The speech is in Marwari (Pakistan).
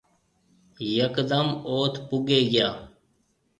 يڪدم اوٿ پُگيَ گيا۔